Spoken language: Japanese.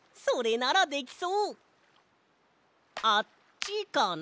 あっちかな？